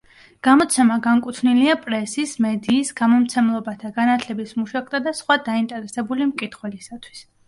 გამოცემა განკუთვნილია პრესის, მედიის, გამომცემლობათა, განათლების მუშაკთა და სხვა დაინტერესებული მკითხველისათვის.